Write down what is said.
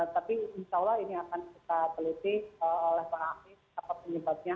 tapi insya allah ini akan kita pelitih oleh pengakib atau penyebabnya